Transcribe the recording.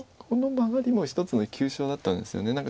このマガリも一つの急所だったんですよね。